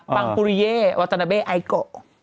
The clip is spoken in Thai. ปางปุริเยวัตตาเบ่ไอ้โก